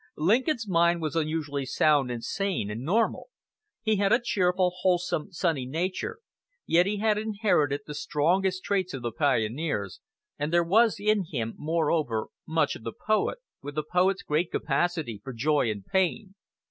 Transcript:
Lincoln's mind was unusually sound and sane and normal. He had a cheerful, wholesome, sunny nature, yet he had inherited the strongest traits of the pioneers, and there was in him, moreover, much of the poet, with a poet's great capacity for joy and pain.